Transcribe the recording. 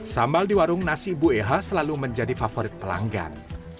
sambal di warung nasi bu eha selalu menjadi favorit pelanggan